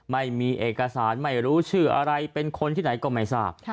ไม่มีเอกสารไม่รู้ชื่ออะไรเป็นคนที่ไหนก็ไม่ทราบ